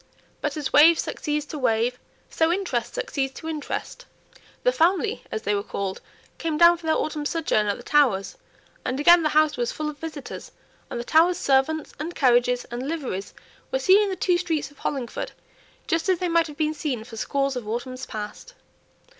But as wave succeeds to wave, so interest succeeds to interest. "The family," as they were called, came down for their autumn sojourn at the Towers, and again the house was full of visitors, and the Towers' servants, and carriages, and liveries were seen in the two streets of Hollingford, just as they might have been seen for scores of autumns past.